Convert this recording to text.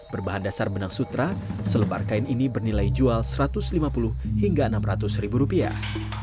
berbahan dasar benang sutra selebar kain ini bernilai jual satu ratus lima puluh hingga enam ratus ribu rupiah